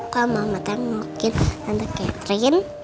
kalau mama mau nungguin tante catherine